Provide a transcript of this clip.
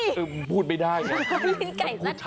คุณพูดไม่ได้นะ